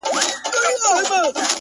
• زه څوک لرمه،